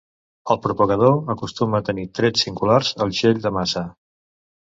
El propagador acostuma a tenir trets singulars al shell de massa.